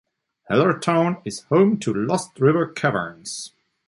Hellertown is home to Lost River Caverns.